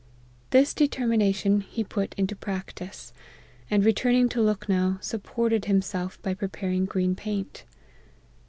This determina tion he put in practice ; and returning to Lukh now, supported himself by preparing green paint.